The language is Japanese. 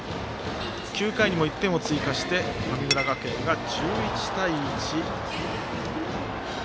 ９回にも１点を追加して神村学園が１１対１。